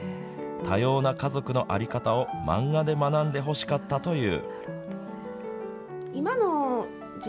多様な家族の在り方を漫画で学んでほしかったという。